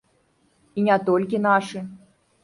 І не толькі нашы.